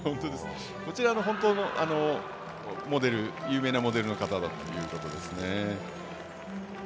女性の方は本当の、有名なモデルの方だということです。